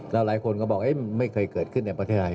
แล้วหลายคนก็บอกไม่เคยเกิดขึ้นในประเทศไทย